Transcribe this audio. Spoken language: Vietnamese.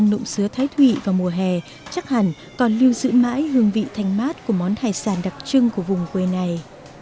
nộm sứa thái thụy vào mùa hè chắc hẳn còn lưu giữ mãi hương vị thanh mát của món hải sản đặc trưng của vùng quê này